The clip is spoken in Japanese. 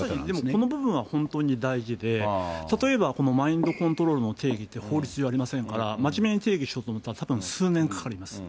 この部分は本当に大事で、例えばこのマインドコントロールという定義って法律上ありませんから、まじめに定義しようと思ったら数年かかります。